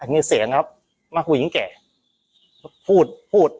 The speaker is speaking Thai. อันนี้เสียงครับมาพูดยิงแก่พูดพูด